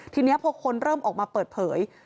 ทีนี้พอคนเริ่มออกมาเปิดเผย